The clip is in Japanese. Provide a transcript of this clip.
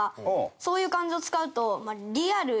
そういう漢字を使うと。